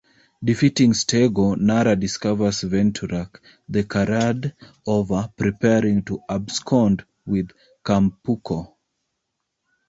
Defeating Steggor, Narra discovers Venturak, the charade over, preparing to abscond with Compucore.